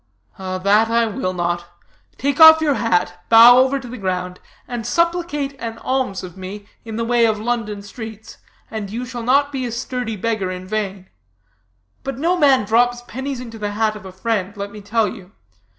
"That I will not. Take off your hat, bow over to the ground, and supplicate an alms of me in the way of London streets, and you shall not be a sturdy beggar in vain. But no man drops pennies into the hat of a friend, let me tell you.